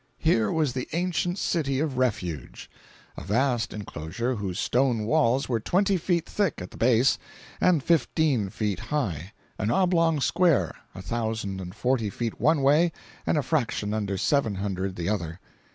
Here was the ancient City of Refuge—a vast inclosure, whose stone walls were twenty feet thick at the base, and fifteen feet high; an oblong square, a thousand and forty feet one way and a fraction under seven hundred the other.